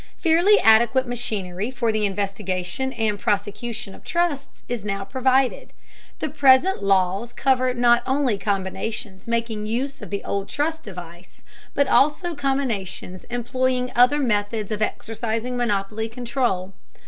Fairly adequate machinery for the investigation and prosecution of trusts is now provided. The present laws cover not only combinations making use of the old trust device, but also combinations employing other methods of exercising monopoly control.